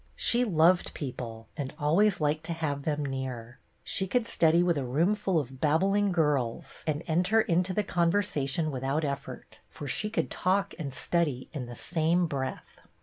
She loved people and always liked to have them near. She could study with a room full of babbling girls and enter into the conversa tion without effort, for she could talk and study in the same breath.